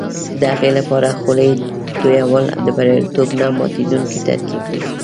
د هغې لپاره خولې تویول د بریالیتوب نه ماتېدونکی ترکیب دی.